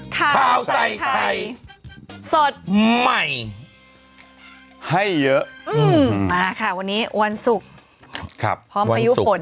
พร้อมพายุผล